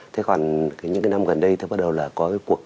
thế còn những cái năm gần đây tôi bắt đầu là có cái cuộc